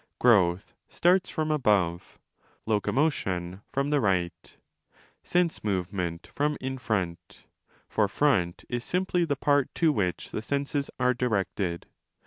Growth starts from above, locomotion from the right, sense movement from in front (for front is simply the part to which the senses are directed).